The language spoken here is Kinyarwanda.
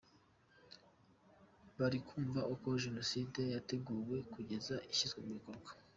Bari kumva uko Jenoside yateguwe kugeza ishyizwe mu bikorwa.